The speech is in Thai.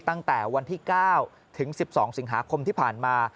ตั้งแต่วันที่๙ถึง๑๒สิงหาคมที่ผ่านมา